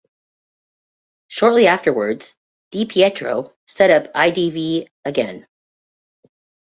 Shortly afterwards, Di Pietro set up IdV again.